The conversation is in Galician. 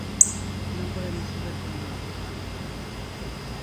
Non podemos saber como era.